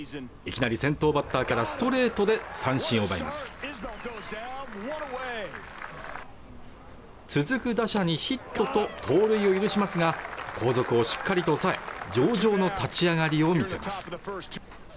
いきなり先頭バッターからストレートで三振を奪います続く打者にヒットと盗塁を許しますが後続をしっかりと抑え上々の立ち上がりを見せます